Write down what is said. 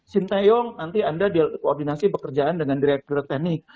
sin tayong nanti anda koordinasi bekerjaan dengan direct direct technique